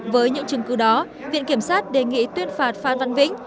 với những chứng cứ đó viện kiểm sát đề nghị tuyên phạt phan văn vĩnh